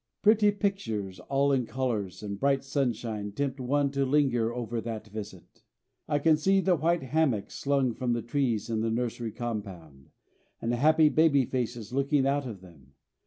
Pretty pictures all in colours and bright sunshine tempt one to linger over that visit. I can see the white hammocks slung from the trees in the nursery compound, and happy baby faces looking out of them.